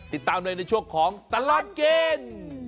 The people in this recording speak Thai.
ติดตามเลยในช่วงของตลอดกิน